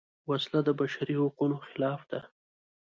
وسله د بشري حقونو خلاف ده